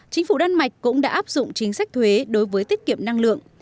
chính phủ đan mạch cũng đã áp dụng chính sách thuế đối với tiết kiệm năng lượng